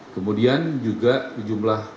kemudian juga jumlah